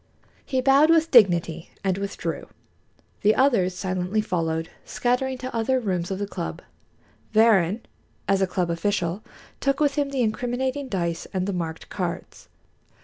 He bowed with dignity and withdrew. The others silently followed, scattering to other rooms of the club. Varrin, as a club official, took with him the incriminating dice and the marked cards.